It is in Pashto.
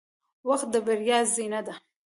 • وخت د بریا زینه ده.